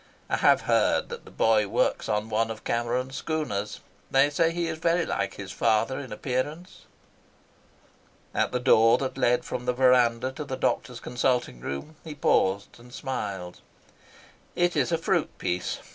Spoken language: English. I have heard that the boy works on one of Cameron's schooners. They say he is very like his father in appearance." At the door that led from the verandah to the doctor's consulting room, he paused and smiled. "It is a fruit piece.